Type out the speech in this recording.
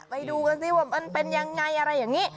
ไปดูกันสิว่ามันเป็นยังไงอะไรอย่างนี้